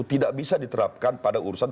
tidak bisa diterapkan pada urusan